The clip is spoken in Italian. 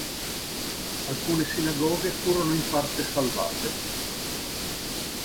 Alcune sinagoghe furono in parte salvate.